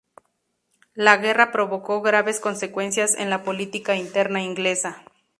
La guerra provocó graves consecuencias en la política interna inglesa.